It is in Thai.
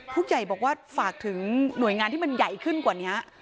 ผู้ใหญ่บอกว่าฝากถึงหน่วยงานที่มันใหญ่ขึ้นกว่านี้